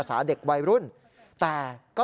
สวัสดีครับทุกคน